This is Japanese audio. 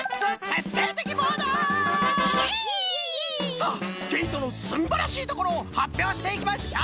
さあけいとのすんばらしいところをはっぴょうしていきましょう！